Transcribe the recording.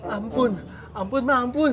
ampun ampun mah ampun